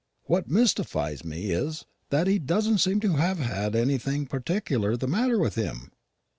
What mystifies me is, that he doesn't seem to have had anything particular the matter with him.